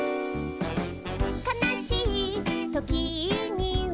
「かなしいときには」